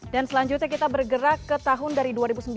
dan selanjutnya kita bergerak ke tahun dari dua ribu sembilan